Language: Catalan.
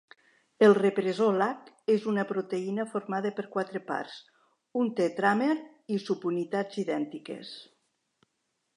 El repressor lac és una proteïna formada per quatre parts, un tetràmer i subunitats idèntiques.